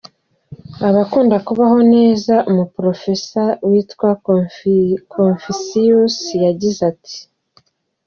Abakunda kubaho neza, umuprofesa witwaga Conficius yagize ati :